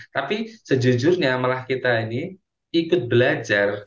tapi sejujurnya malah kita ini ikut belajar